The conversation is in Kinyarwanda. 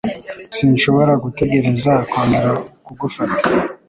Sinshobora gutegereza kongera kugufata.